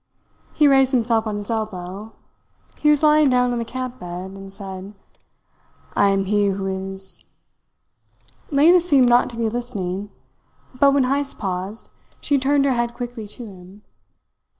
He raised himself on his elbow he was lying down on the camp bed and said: "'I am he who is '" Lena seemed not to be listening; but when Heyst paused, she turned her head quickly to him.